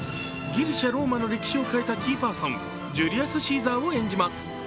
ギリシャローマの歴史を変えたキーパーソンジュリアス・シーザーを演じます。